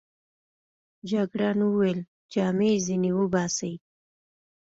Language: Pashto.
جګړن وویل: جامې يې ځینې وباسئ.